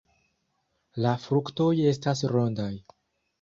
La fruktoj estas rondaj.